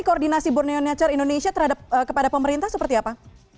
koordinasi borneo nature indonesia kepada pemerintah seperti apa